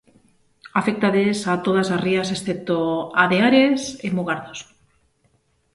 Aféctalles a todas as rías excepto á de Ares e Mugardos.